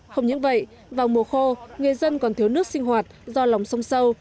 không những vậy vào mùa khô người dân còn thiếu nước sinh hoạt do lòng sông sâu